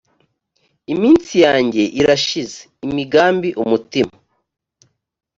iminsi yanjye irashize imigambi umutima